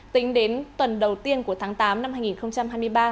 tính đến tuần đầu tiên của tháng tám năm hai nghìn hai mươi ba